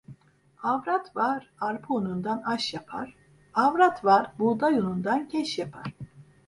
Avrat var, arpa unundan aş yapar; avrat var, buğday unundan keş yapar.